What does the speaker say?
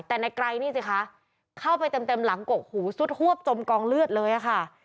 แต่ในไกรนี่สิคะเข้าไปเต็มหลังกกหูซุดฮวบจมกองเลือดเลยค่ะ